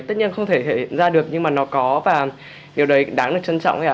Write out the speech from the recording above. tất nhiên không thể hiện ra được nhưng mà nó có và điều đấy đáng được trân trọng